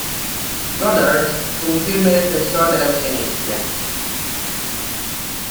Goddard fue un firme defensor de la eugenesia.